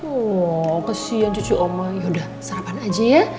oh kesian cucu oma yaudah sarapan aja ya